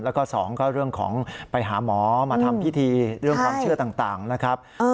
แล้วก็สองก็เรื่องของไปหาหมอมาทำพิธีเรื่องความเชื่อต่างนะครับ